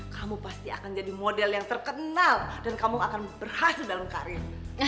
kamu pasti akan jadi model yang terkenal dan kamu akan berhasil dalam karir